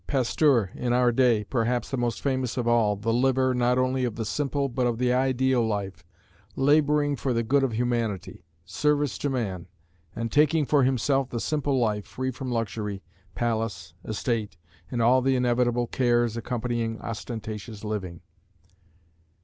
Pasteur, in our day, perhaps the most famous of all, the liver, not only of the simple but of the ideal life, laboring for the good of humanity service to man and taking for himself the simple life, free from luxury, palace, estate, and all the inevitable cares accompanying ostentatious living.